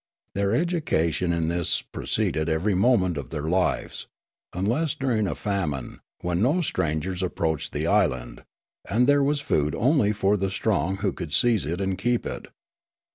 Their education in this proceeded every moment of their lives, unless during a famine, when no strangers approached the island, and there was food onlj' for the strong who could seize it and keep it.